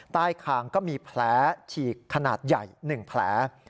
ใต้คางก็มีแผลฉีกขนาดใหญ่๑แผล